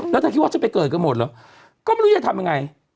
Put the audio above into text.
แล้วถ้าคิดว่าจะไปเกิดก็หมดแล้วก็ไม่รู้จะทำยังไง